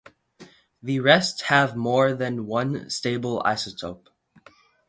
The rest have more than one stable isotope.